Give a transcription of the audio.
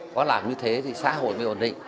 có làm như thế thì xã hội mới ổn định